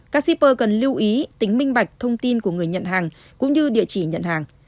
các shipper cần lưu ý tính minh bạch thông tin của người nhận hàng cũng như địa chỉ nhận hàng